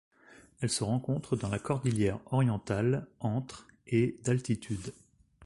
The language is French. Elle se rencontre dans la cordillère Orientale entre et d'altitude.